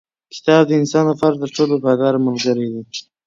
کتاب د انسان لپاره تر ټولو وفادار ملګری دی